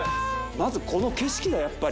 まずこの景色だよ、やっぱり。